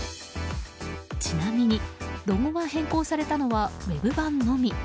ちなみにロゴが変更されたのはウェブ版のみ。